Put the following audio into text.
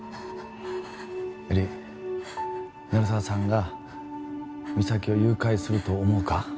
絵里鳴沢さんが実咲を誘拐すると思うか？